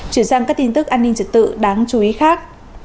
chuyển sang các tin tức an ninh trật tự đáng chú ý khác